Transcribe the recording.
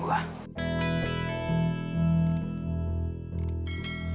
lo udah ngerti